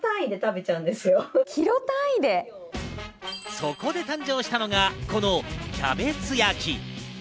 そこで誕生したのがこのキャベツ焼き。